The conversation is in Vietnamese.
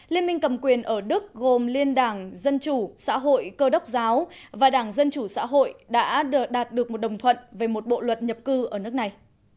liên minh cầm quyền ở đức gồm liên đảng dân chủ xã hội cơ đốc giáo và đảng dân chủ xã hội đã đạt được một đồng thuận về một bộ luật nhập cư ở nước này